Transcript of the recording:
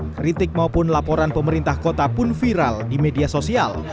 kritik maupun laporan pemerintah kota pun viral di media sosial